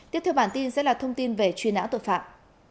tiếp theo bản tin sẽ là thông tin về truy nã tội phạm